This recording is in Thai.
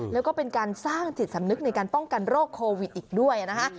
แล้วก็เป็นการสร้างจิตสำนึกในการป้องกันโรคโควิดอีกด้วยนะคะ